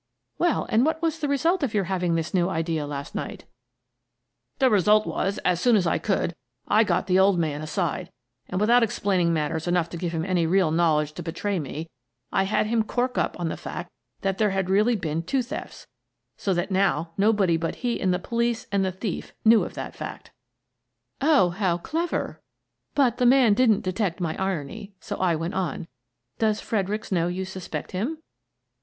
" Well, and what was the result of your having this new idea last night ?"" The result was that, as soon as I could, I got the old man aside and, without explaining matters enough to give him any real knowledge to betray me, I had him cork up on the fact that there had really been two thefts, so that now nobody but he and the police and the thief knew of that fact." " Oh, how clever! "— But the man didn't detect my irony, and so I went on :" Does Fredericks know you suspect him